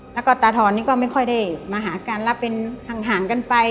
แล้วก็ตาทอนนี่ก็ไม่ค่อยได้มาหากันแล้วเป็นห่างกันไป